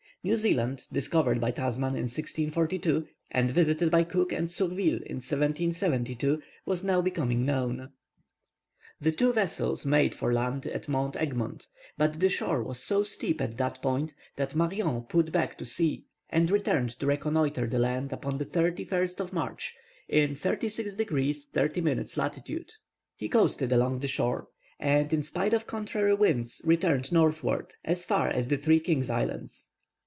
New Zealand, discovered by Tasman in 1642, and visited by Cook and Surville in 1772, was now becoming known. The two vessels made for land at Mount Egmont, but the shore was so steep at this point, that Marion put back to sea and returned to reconnoitre the land upon the 31st of March in 36 degrees 30 minutes latitude. He coasted along the shore, and, in spite of contrary winds, returned northward as far as the Three Kings Islands.